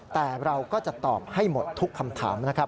แต่เราก็จะตอบให้หมดทุกคำถามนะครับ